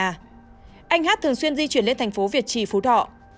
anh hát thường xuyên di chuyển lên thành phố việt trì phú thọ